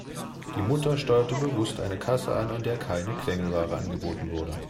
Die Mutter steuerte bewusst eine Kasse an, an der keine Quengelware angeboten wurde.